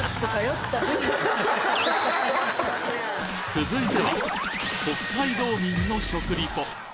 続いては北海道民の食リポ